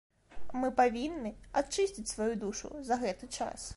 А мы павінны ачысціць сваю душу за гэты час.